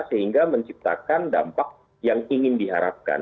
sehingga menciptakan dampak yang ingin diharapkan